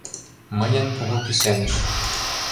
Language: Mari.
Мыйын кугу кӱсеныш